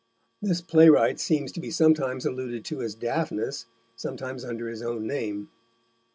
This playwright seems to be sometimes alluded to as Daphnis, sometimes under his own name.